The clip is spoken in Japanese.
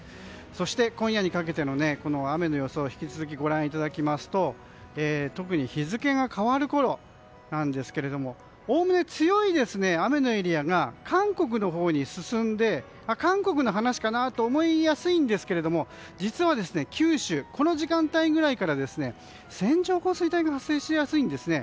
そして今夜にかけての雨の予想を引き続きご覧いただきますと特に日付が変わるころなんですがおおむね強い雨のエリアが韓国のほうに進んで韓国の話かなと思いやすいんですけども実は九州、この時間帯ぐらいから線状降水帯が発生しやすいんですね。